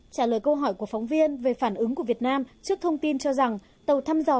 trả lời câu hỏi của phóng viên về phản ứng của việt nam trước thông tin cho rằng tàu thăm dò